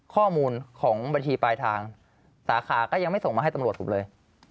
ข้อมูลของบัญชีปลายทางสาขาก็ยังไม่ส่งมาให้ตำรวจผมเลย